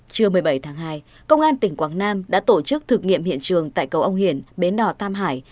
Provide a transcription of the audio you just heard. trưa một mươi bảy tháng hai công an tỉnh quảng nam đã tổ chức thực nghiệm hiện trường tại cầu ông hiển bến đò tam hải